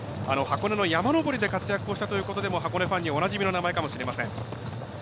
春日部高校から法政大学箱根の山登りで活躍したということで箱根ファンにおなじみの名前かもしれません。